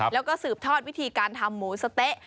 แล้วก็สืบทอดวิธีการทำหมูสะเต๊ะ